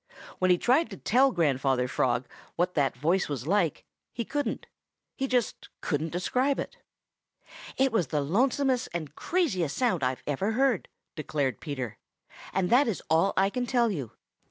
When he tried to tell Grandfather Frog what that voice was like, he couldn't. He just couldn't describe it. "It was the lonesomest and craziest sound I've ever heard," declared Peter, "and that is all I can tell you.